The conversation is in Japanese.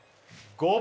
５番！